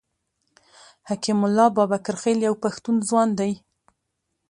حکیم الله بابکرخېل یو پښتون ځوان دی.